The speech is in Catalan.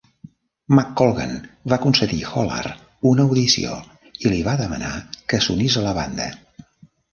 McColgan va concedir Hollar una audició i li va demanar que s'unís a la banda.